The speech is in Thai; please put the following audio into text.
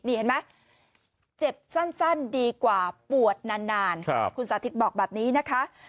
นี่เห็นไหมเจ็บสั้นดีกว่าปวดนานคุณสาธิตบอกแบบนี้นะคะ